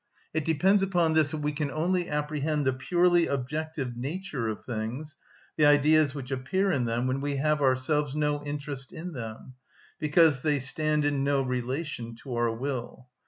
It depends upon this that we can only apprehend the purely objective nature of things, the Ideas which appear in them, when we have ourselves no interest in them, because they stand in no relation to our will.